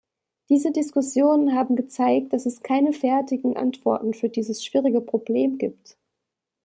Diese Diskussionen haben gezeigt, dass es keine fertigen Antworten für dieses schwierige Problem gibt.